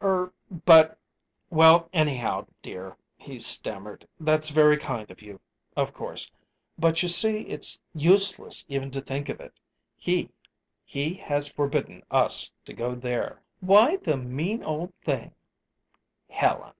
"Er but well, anyhow, dear," he stammered, "that's very kind of you, of course; but you see it's useless even to think of it. He he has forbidden us to go there." "Why, the mean old thing!" "Helen!"